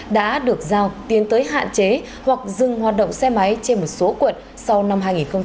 đã được giao tiến tới hạn chế hoặc dừng hoạt động xe máy trên một số quận sau năm hai nghìn hai mươi